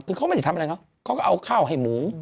คือเขาไม่ได้ทำอะไรเนอะเขาก็เอาข้าวให้หมู